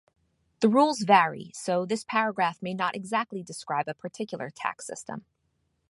The rules vary, so this paragraph may not exactly describe a particular tax system.